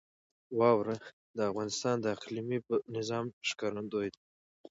واوره د افغانستان د اقلیمي نظام ښکارندوی ده.